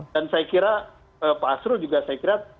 dan saya kira pak asrul juga saya kira